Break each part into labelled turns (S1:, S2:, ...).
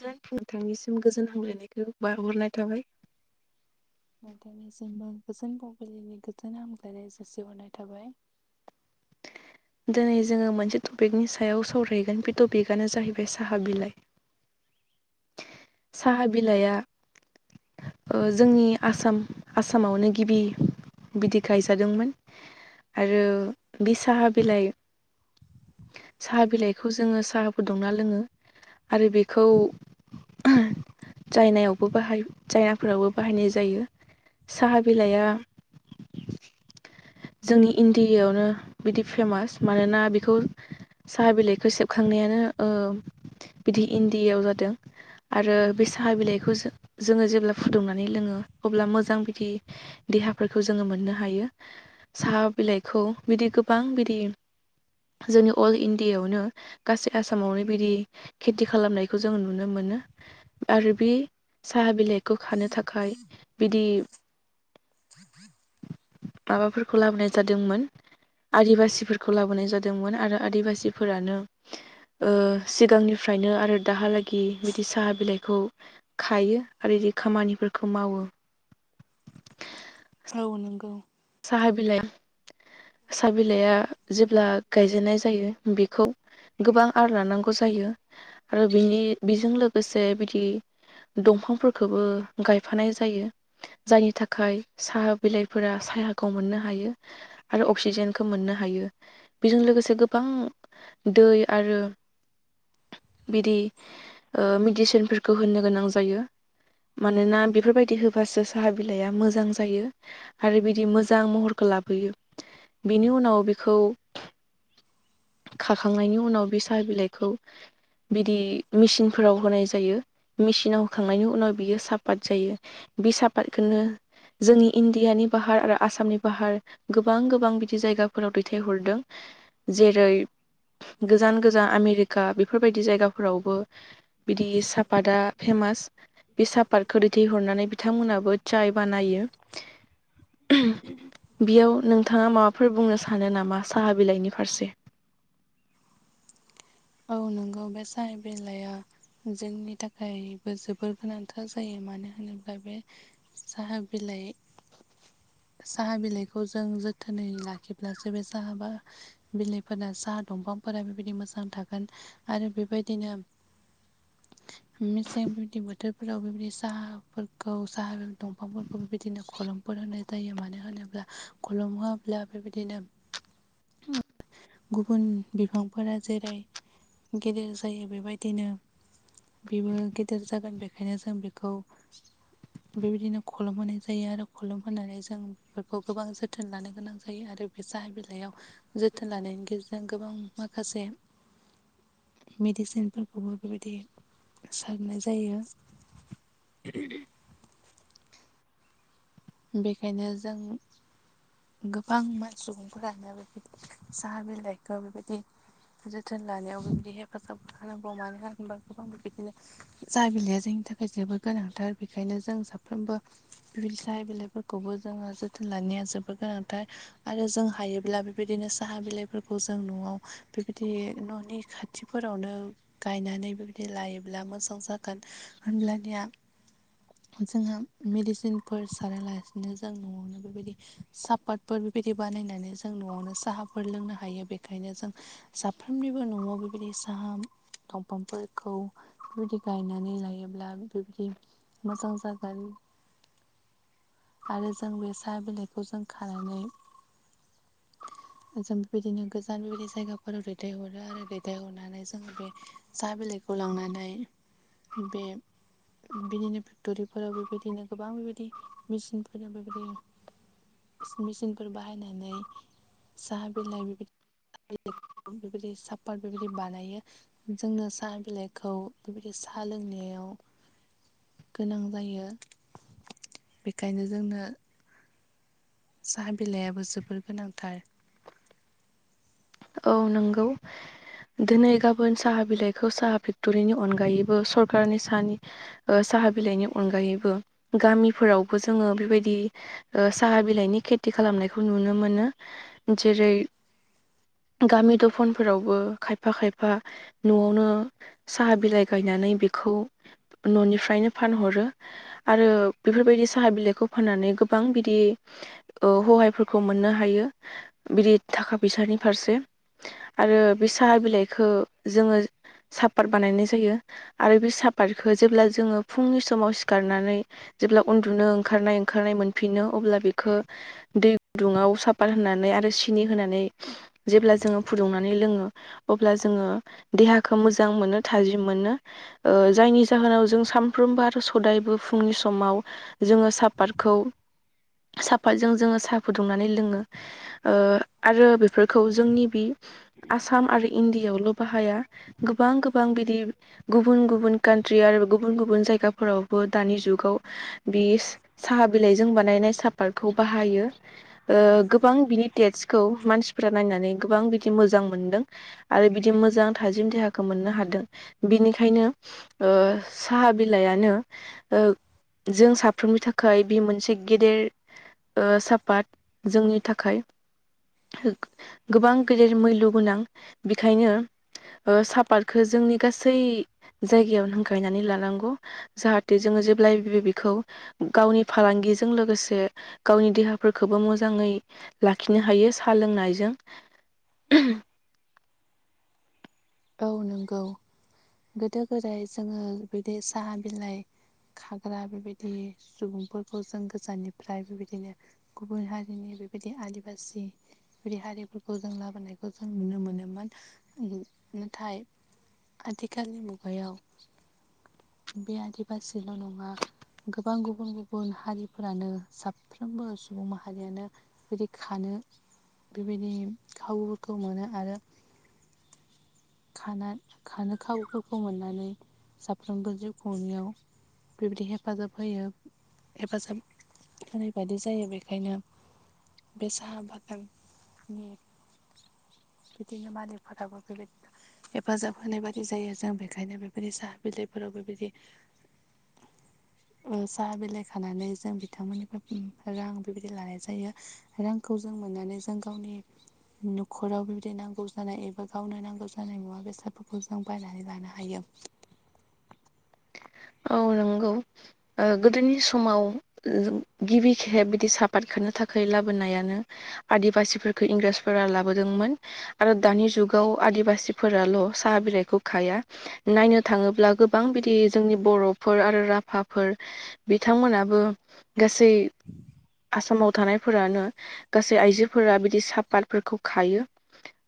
S1: जों नोंथांनिसिम गोजोन हामग्लायनायखौ बारहरनाय थाबाय।
S2: नोंथांनिसिमबो गोजोन फुंबिलिनि गोजोन हामज्लायनाय जासिहरनाय थाबाय।
S1: दिनै जोङो मोनसे टपिकनि सायाव सावरायगोन बे टपिकआनो जाहैबाय साहा बिलाइ। साहा बिलाइआ ओ जोंनि आसाम आसामावनो गिबि बिदि गायजादोंमोन आरो बे साहा बिलाइ साहा बिलाइखौ जोङो साहा फुदुंना लोङो आरो बेखौ जायनायावबो बाहाय जायनाफोरावबो बाहायनाय जायो। साहा बिलाइआ जोंनि इण्डियाआवनो बिदि फेमास मानोना बेखौ साहा बिलाइखौ सेबखांनायानो ओ बिदि इण्डियाआव जादों। आरो बे साहा बिलाइखौ जो-जोङो जेब्ला फुदुंनानै लोङो अब्ला मोजां बिदि देहाफोरखौ जोङो मोननो हायो साहा बिलाइखौ बिदि गोबां बिदि जोंनि अल इण्डियाआवनो गासै आसामावनो बिदि खेथि खालामनायखौ जोङो नुनो मोनो आरो बे साहा बिलाइखौ खानो थाखाय बिदि माबाफोरखौ लाबोनाय जादोंमोन आदिबासिफोरखौ लाबोनाय जादोंमोन आरो आदिबासि फोरानो ओ सिगांनिफ्रायनो आरो दाहालागि बिदि साहा बिलाइखौ खायो आरो बिदि खामानिफोरखौ मावो।
S2: औ नंगौ।
S1: साहा बिलाइ साहा बिलाइआ जेब्ला गायजेननाय जायो बेखौ गोबां आर लानांगौ जायो आरो बिनि बेजों लोगोसे बिदि दंफांफोरखौबो गायफानाय जायो जायनि थाखाय साहा बिलाइफोरा साहाखौ मोननो हायो आरो अक्सिजेनखौ मोननो हायो बेजों लोगोसे गोबां दै आरो बिदि ओ मिडिसिनफोरखौ होननो गोनां जायो। मानोना बेफोरबायदि होबासो साहा बिलाइआ मोजां जायो। आरो बिदि मोजां महरखौ लाबोयो बिनि उनाव बेखौ‌ खाखांनायनि उनाव बे साहा बिलाइखौ बिदि मेसिनफोराव होनाय जायो मेसिनाव होखांनायनि उनाव बियो साफात जायो। बि साफातखौनो जोंनि इण्डियानि फाहार आरो आसामनि फाहार गोबां गोबां बिदि जायगाफोराव दैथायहरदों। जेरै गोजान गोजान आमेरिका बेफोरबायदि जायगाफोरावबो बिदि सापातआ फेमास बे सापातखौ दैथायहरनानै बिथांमोनाबो चाय बानायो
S2: [inaudible]
S1: बेयाव नोंथाङा माबाफोर बुंनो सानो नामा साहा बिलाइनि फारसे।
S2: औ नोंगौ बे साहाय बिलाया जोंनि थाखायबो जोबोर गोनांथार जायो मानो होनोब्ला बे साहा बिलाइ साहा बिलाइखौ जों जोथोनै लाखिब्लासो बे साहाबा बिलइफोराना साहा दंफांफोरा बेबायदि मोजां थागोन आरो बेबायदिनो
S1: [inaudible]
S2: मेसें बेबायदि बोथोरफोराव बेबायदि साहाफोरखौ साहा दंफांफोरखौ बेबायदिनो खलुमफोर होनाय जायो मानो होनोब्ला खलम होआब्ला बेबायदिनो गुबुन बिफांफोरा जेरै गेदेर जायो बेबायदिनो बेबो गेदेर जागोन बेखायनो जों बेखौ
S1: [inaudible]
S2: बेबायदिनो खलुम होनाय जायो आरो खलुम होनानै जों बेफोरखौ गोबां जोथोन लानो गोनां जायो आरो सा बिलाइयाव जोथोन लानायनि गेजेरजों गोबां माखासे मेडिसिनफोरखौबो बेबायदि सारनाय जायो उम बेखायनो जों गोबां मान सुबुंफोरानो बेबायदि साहा बिलाइखौ बेबायदि जोथोन लानायाव बेबायदि हेफाजाब होखानांगौ मानो होनोबा गोबांबो बिदिनो जा बिलाइया जोंनि थाखाय जोबोद गोनांथार बेखायनो जों साफ्रोमबो बि फिथाइ बिलाइफोरखौबो जोङो जोथोन लानाया जोबोर गोनांथार आरो जों हायोब्ला बेबायदिनो साहा बिलाइफोरखौ जों न'आव बेबायदि न'नि खाथि खाथिफोरावनो गायनानै बेबायदि लायोब्ला मोजां जागोन होब्लानिया जोंहा मेडिसिनफोर सारालासिनो जों न'आवनो बेबायदि सापातफोर बेबायदि बानायनानै जों न'आवनो साहाफोर लोंनो हायो बेखायनो जों साफ्रोमनिबो न'आव बेबायदि साहा दंफांफोरखौ बेबायदि गायनानै लायोब्ला बेबायदि मोजां जागोन आरो जों बे साहा बिलाइखौ जों खानानै
S1: [inaudible]
S2: जों बेबायदिनो गोजान बेबायदि जायगाफोराव दैथायहरो आरो दैथायहरनानै जोङो बे‌ साहा बिलाइखौ लांनानै बे बिदिनो फेक्टरिफोराव बेबायदिनो गोबां बे मेचिनफोरा बेबायदि मेचिनफोर बाहायनानै साहा बिलाइ बेबायदि [unintelligible] बेबायदि साफात बेबायदि बानायो। जोंनो साहा बिलाइखौ बेबायदि साहा लोंनायाव गोनां जायो। बेखायनो जोंनो साहा बिलाइआबो जोबोर गोनांथार।
S1: औ नंगौ। दिनै गाबोन साहा बिलाइखौ साहा फेक्ट'रिनि अनगायैबो सरकारनि साहानि ओ साहा बिलाइनि अनगायैबो गामिफोरावबो जोङो बेबायदि ओ साहा बिलाइनि खेथि खालामनायखौ नुनो मोनो जेरै गामि दफानफोरावबो खायफा खायफा न'आवनो साहा बिलाइ गायनानै बेखौ न'निफ्रायनो फानहरो आरो बेफोरबायदि साहा बिलाइखौ फाननानै गोबां बिदि ओ हहायफोरखौ मोननो हायो बिद थाखा फैसानि फारसे आरो बे साहा बिलाइखौ जोङो सापात बानायनाय जायो आरो बे सापातखौ जेब्ला जोङो फुंनि समाव सिखारनानै जेब्ला उन्दुनो ओंखारनाय ओंखारनाय मोनफिनो अब्ला बेखौ दै गुदुङाव साफात होनानै आरो सिनि होनानै जेब्ला जोङो फुदुंनानै लोङो अब्ला जोङो देहाखौ मोजां मोनो थाजिम मोनो ओ जायनि जाहोनाव जों सानफ्रोमबो आरो सदायबो फुंनि समाव जोङो सापातखौ साहाफतजों जोङो साहा फुदुंनानै लोङो ओ आरो बेफोर खौ जोंनि बि आसाम आरो इण्डियाआवल' बाहाया गोबां गोबां बिदि गुबुन गुबुन कान्ट्रि आरो गुबुन गुबुन जायगाफोरावबो दानि जुगाव बिस साहा बिलाइजों बानायनाय सापतखौ बाहायो ओ गोबां बिनि टेस्सखौ मानसिफोरा नायनानै गोबां बिदि मोजां मोनदों आरो बिदि मोजां थाजिम देहाखौ मोननो हादों बिनिखायनो ओ साहा बिलायानो ओ जों साफ्रोमनि थाखाय बे मोनसे गेदेर ओ साफात जोंनि थाखाय गोबां गेदेर मैल्य गोनां बेखायनो ओ सापातखौ जोंनि गासै जायगायाव हांख्रायनानै लानांगौ जाहाथे जोङो जेब्लायबो बेखौ गावनि फालांगिजों लोगोसे गावनि देहाफोरखौबो मोजाङै लाखिनो हायो साहा लोंनायजों
S2: औ नंगौ गोदो गोदाय जोङो बिदि साहा बिलाइ खाग्रा बेबायदि सुबुंफोरखौ जों गोजाननिफ्राय बेबायदिनो गुबुन हारिनि बेबायदि आदिबासि बे हारिफोरखौ जों लाबोनायखौ जों नुनो मोनोमोन नाथाय आथिखालनि मुगायाव बे आदिबासिल' नङा गोबां गुबुन गुबुन हारिफोरानो साफ्रोमबो सुबुं माहारियानो बेदि खानो बेबायदि खाबुफोरखौ मोनो आरो खाना खानो खावुफोरखौ मोननानै साफ्रोमबो जिब खुंनियाव बेबायदि हेफाजाब होयो हेफाजाब होनाय बायदि जायो बेखायनो बे साहा बागाननि बिदिनो मालिक फोराबो बेबायदि हेफाजाब होनाय बायदि जायो जों बेखायनो बेबायदि साहा बिलाइफोराव बेबायदि
S1: [inaudible]
S2: ओ साहा बिलाइ खानानै जों बिथांमोननिफ्राय रां बेबायदि लानाय जायो आरो रांखौ जों मोननानै जों गावनि न'खराव बिबायदि नांगौ जानाय एबा गावनो नांगौ जानाय मुवा बेसादफोरखौ जों बायनानै लानो हायो
S1: औ नंगौ ओ गोदोनि समाव गिबि खेब बिदि सापात खालामनो थाखाय लाबोनायानो आदिबासिफोरखौ इंराजफोरा लाबोदोंमोन आरो दानि जुगाव आदिबासिफोराल' साहा बिलाइखौ खाया नायनो थाङोब्ला गोबां बिदि जोंनि बर'फोर आरो राभाफोर बिथांमोनाबो गासै आसामाव थानायफोरानो गासै आइजोफोरा बिदि सापातफोरखौ खायो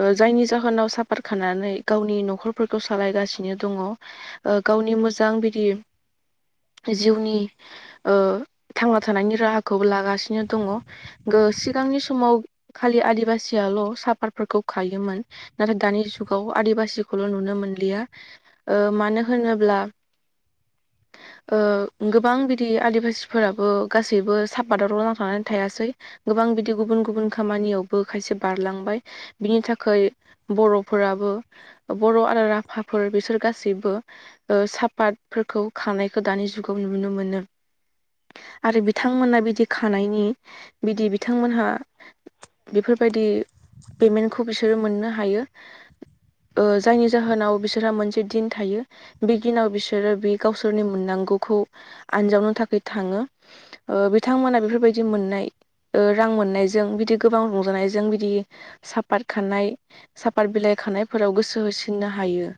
S1: ओ जायनि जाहोनाव साफात खानानै गावनि न'खरफोरखौ सालायगासिनो दङ ओ गावनि मोजां बिदि जिउनि ओ थांना थानायनि राहाखौबो लागासिनो दङ ओ सिगांनि समाव खालि आदिबासियाल' सापातफोरखौ खायोमोन नाथाय दानि जुगाव आदिबासिखौल' नुनो मोनलिया मानो होनोब्ला गोबां बिदि आदिबासिफोराबो गासैबो सापादावल नांथानानै थायासै गोबां बिदि गुबुन गुबुन खामानियावबो खायसे बारलांबाय बिनि थाखै बर'फोराबो बर' आरो राभाफोर बिसोर गासैबो साफात फोरखौ खांनायखौ दानि जुगाव नुनो मोनो। आरो बिथांमोना बिदि खानायनि बिदि बिथांमोनहा बेफोरबायदि पेमेन्टखौ बिसोरो मोननो हायो। जायनि जाहोनाव बिसोरहा मोनसे दिन थायो बे दिनाव बिसो सोरो बे गावसोरनि मोननांगौखौ आनजावनो थाखाय थाङो। बिथांमोना बेफोरबायदि मोननाय रां मोननायजों बिदि गोबां रंजानायजों बिदि साफात खानाय साफात बिलाइ खानायफोराव गोसो होसिननो हायो।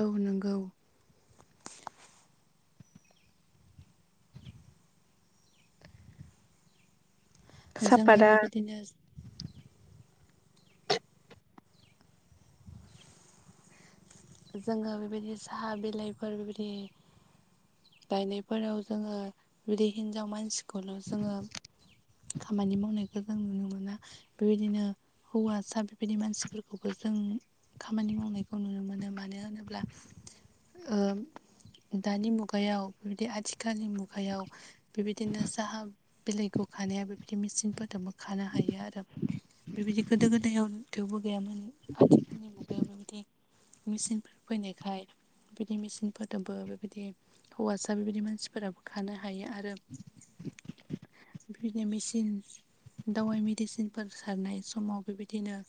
S2: औ नोंगौ जोङो
S1: सापाता
S2: बेबायदिनो जोङो बेबायदि साहा बिलाइफोर बेबायदि गायनायफोराव जोङो बिदि हिनजाव मानसिखौल' जोङो खामानि मावनायखौ जों नुनो मोना। बेबायदिनो हौवासा बेबायदि मानसिफोरखौबो जों खामानि मावनायखौ नुनो मोनो मानो होनोब्ला ओ दानि मुगायाव बेबायदि आथिखालनि मुगायाव बेबायदिनो साहा बिलाइखौ खानाया बेबायदि मेचिनफोरजोंबो खानो हायो आरो बेबायदि गोदो गोदायाव थेवबो गैयामोन आथिखालनि मुगायाव बेबायदि मेचिन फैनायखाय बिदि मेसिनफोरजोंबो बेबायदि हौवासा बेबायदि मानसिफोराबो खानो हायो आरो बिबायदिनो मेचिन दावाइ मेडिसिनफोर सारनाय समाव बेबायदिनो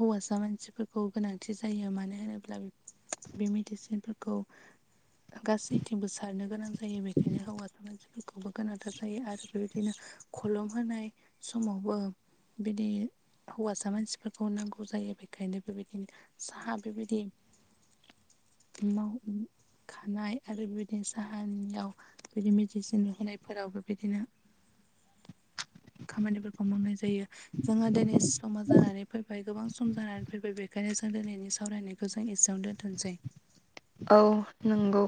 S2: हौवासा मानसिफोरखौ गोनांथि जायो मानो होनो ब्ला बे मेडिसिनफोरखौ गासैथिंबो सारनो गोनां जायो बेखायनो हौवा मानसिफोरखौबो गोनांथार जायो आरो बेबायदिनो खलम होनाय समावबो बिदि हौवासा मानसिफोरखौ नांगौ जायो बेखायनो बेबायदिनो साहा बेबायदि
S1: [inaudible]
S2: मावखानाय आरो बेबायदिनो साहानियाव बिदि मेडिसिन होनायफोरावबो बिदिनो
S1: [inaudible]
S2: खामानिफोरखौ मावनाय जायो। जोंहा दिनै समा जानानै फैबाय गोबां सम जानानै फैबाय बेखायनो जों दिनैनि सावरायनायखौ जों एसेयावनो दोनथनसै।
S1: औ नंगौ।